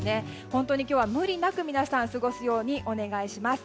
本当に今日は無理なく皆さん過ごすようにお願いします。